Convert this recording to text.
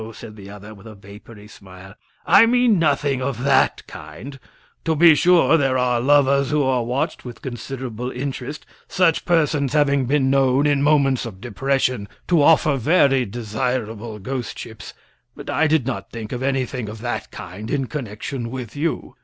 said the other, with a vapory smile. "I mean nothing of that kind. To be sure, there are lovers who are watched with considerable interest, such persons having been known, in moments of depression, to offer very desirable ghost ships; but I did not think of anything of that kind in connection with you.